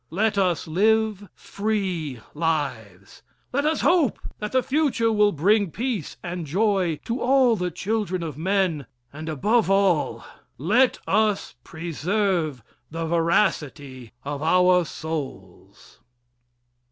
Let us live free lives. Let us hope that the future will bring peace and joy to all the children of men, and above all, let us preserve the veracity of our souls.